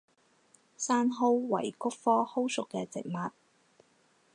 山蒿为菊科蒿属的植物。